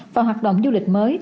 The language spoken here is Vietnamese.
và hoạt động du lịch mới